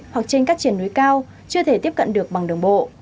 hoặc trên các triển núi cao chưa thể tiếp cận được bằng đường bộ